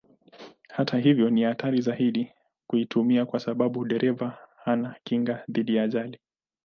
Hata hivyo ni hatari zaidi kuitumia kwa sababu dereva hana kinga dhidi ya ajali.